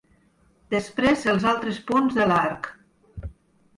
Després els altres punts de l'arc.